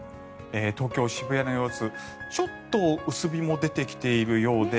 東京・渋谷の様子ちょっと薄日も出てきているようで。